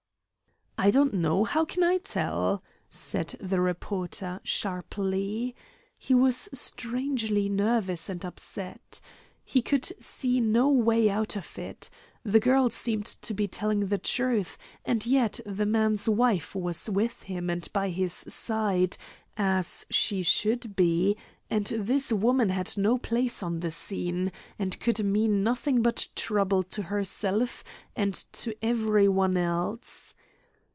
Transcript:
"I don't know. How can I tell?" said the reporter, sharply. He was strangely nervous and upset. He could see no way out of it. The girl seemed to be telling the truth, and yet the man's wife was with him and by his side, as she should be, and this woman had no place on the scene, and could mean nothing but trouble to herself and to every one else.